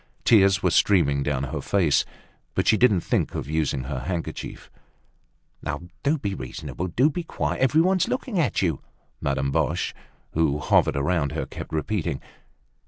Tears were streaming down her face but she didn't think of using her handkerchief. "Be reasonable, do be quiet, everyone's looking at you," Madame Boche, who hovered round her, kept repeating.